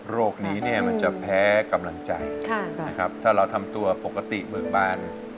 โรคนี้มันจะแพ้กำลังใจถ้าเราทำตัวปกติเมืองบ้าน